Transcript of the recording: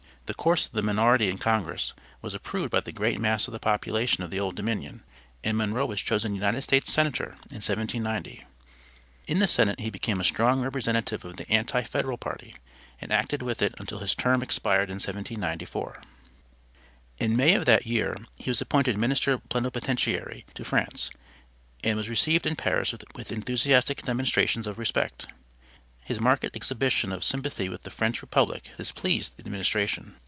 The course of the minority in Congress was approved by the great mass of the population of the Old Dominion, and Monroe was chosen United States Senator in 1790. In the Senate he became a strong representative of the anti Federal party, and acted with it until his term expired in 1794. In May of that year he was appointed Minister Plenipotentiary to France, and was received in Paris with enthusiastic demonstrations of respect. His marked exhibition of sympathy with the French Republic displeased the administration.